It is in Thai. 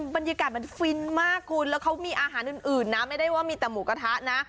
บรรยากาศมันฟินมากคุณแล้วเขามีอาหารอื่นนะไม่ได้ว่ามีแต่หมูกระทะนะ